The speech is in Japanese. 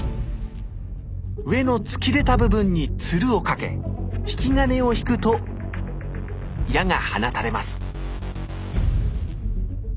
上の突き出た部分にツルをかけ引き金を引くと矢が放たれます